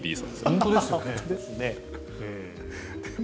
本当ですよね。